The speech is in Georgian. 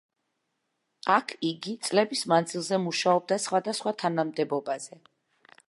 აქ იგი წლების მანძილზე მუშაობდა სხვადასხვა თანამდებობაზე.